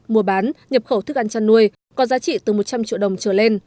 mua bán nhập khẩu thức ăn chăn nuôi có giá trị từ một trăm linh triệu đồng trở lên